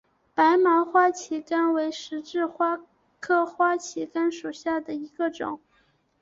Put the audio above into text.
白毛花旗杆为十字花科花旗杆属下的一个种。